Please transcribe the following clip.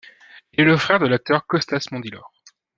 Il est le frère de l'acteur Costas Mandylor.